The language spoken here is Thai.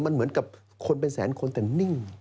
มันเหมือนกับคนเป็นแสนคนแต่นิ่ง